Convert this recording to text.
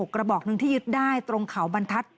กระบอกหนึ่งที่ยึดได้ตรงเขาบรรทัศน์